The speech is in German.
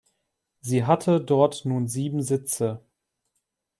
Sie hatte dort nun sieben Sitze.